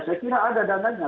saya kira ada dananya